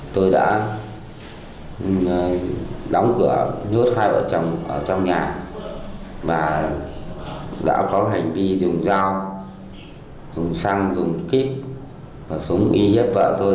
tôi đã đóng cửa nhốt hai vợ chồng ở trong nhà và đã có hành vi dùng dao dùng xăng dùng kíp và súng y hiếp vợ tôi